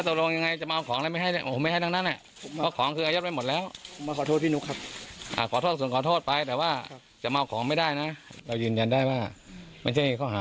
ทุกอันนะที่เว้าผมทำบ้านเสียหายในกรณีของบ้านเสียหายครับ